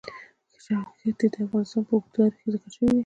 ښتې د افغانستان په اوږده تاریخ کې ذکر شوی دی.